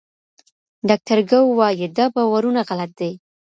ډاکټر ګو وايي دا باورونه غلط دي.